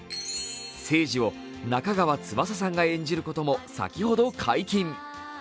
聖司を中川翼さんが演じることも先ほど解禁。